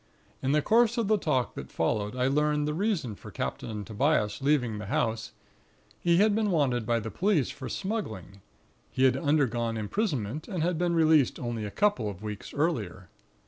In the course of the talk that followed, I learned the reason for Captain Tobias leaving the house; he had been wanted by the police for smuggling. He had undergone imprisonment; and had been released only a couple of weeks earlier.